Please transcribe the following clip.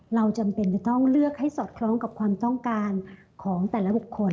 จำเป็นจะต้องเลือกให้สอดคล้องกับความต้องการของแต่ละบุคคล